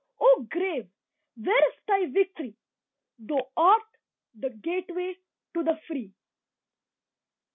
O Grave, where is thy victory? Thou art the gateway to the free!